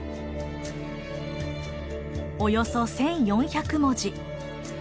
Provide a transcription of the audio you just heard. およそ１，４００文字。